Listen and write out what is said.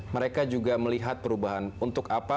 mereka juga melihat perubahan untuk apa